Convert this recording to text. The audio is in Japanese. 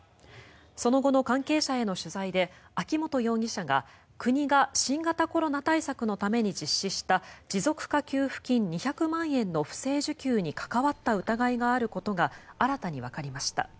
その後の関係者への取材で秋本容疑者が国が新型コロナ対策のために実施した持続化給付金２００万円の不正受給に関わった疑いがあることが新たにわかりました。